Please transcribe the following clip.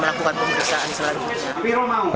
melakukan pemeriksaan selanjutnya